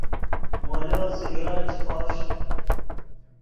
مولو سگریٹ چے خوݰ